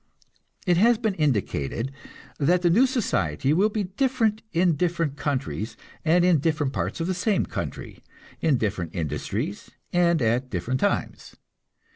It has been indicated that the new society will be different in different countries and in different parts of the same country, in different industries and at different times.